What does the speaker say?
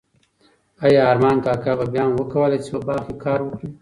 ایا ارمان کاکا به بیا هم وکولای شي په باغ کې کار وکړي؟